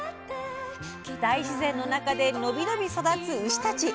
大自然の中で伸び伸び育つ牛たち。